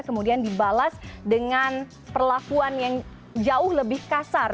kemudian dibalas dengan perlakuan yang jauh lebih kasar